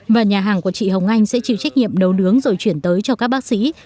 và nhà hàng của chị hồng anh sẽ chịu trách nhiệm nấu nướng rồi chuyển tới cho các bác sĩ